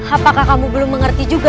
apakah kamu belum mengerti juga